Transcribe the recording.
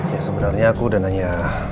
ya sebenarnya aku udah nanya